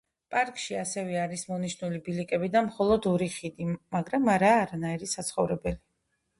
პარკში ასევე არის მონიშნული ბილიკები და მხოლოდ ორი ხიდი, მაგრამ არაა არანაირი საცხოვრებელი.